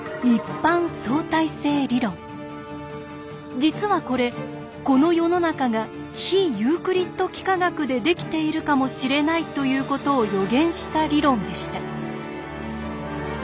実はこれこの世の中が非ユークリッド幾何学でできているかもしれないということを予言した理論でした。